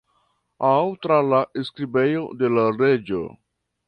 Aŭ tra la skribejo de l' Reĝo?